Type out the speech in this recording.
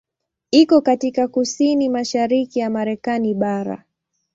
Iko katika kusini mashariki ya Marekani bara.